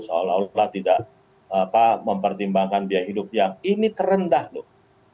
seolah olah tidak mempertimbangkan biaya hidup yang ini terendah loh